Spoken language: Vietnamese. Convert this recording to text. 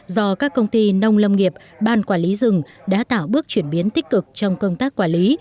do các công ty nông lâm nghiệp ban quản lý rừng đã tạo bước chuyển biến tích cực trong công tác quản lý